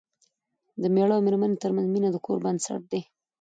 د مېړه او مېرمنې ترمنځ مینه د کور بنسټ دی.